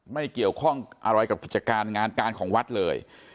ไม่เกี่ยวข้องอะไรกับกิจการงานการของวัดเลย